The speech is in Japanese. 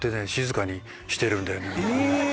え